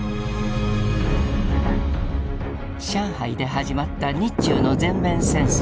上海で始まった日中の全面戦争。